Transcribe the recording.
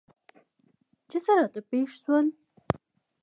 چې څه راته راپېښ شول؟